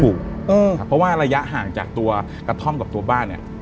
เพราะว่าระยะห่างจากตัวกั้นบ้านเนี่ย